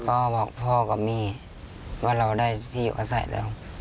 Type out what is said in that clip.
ก็บอกพ่อกับแม่ว่าเราได้ที่อยู่อาศัยแล้ว